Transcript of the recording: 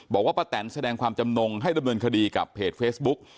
ป้าแตนแสดงความจำนงให้ดำเนินคดีกับเพจเฟซบุ๊ก